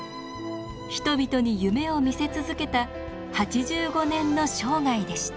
人々に夢を見せ続けた８５年の生涯でした。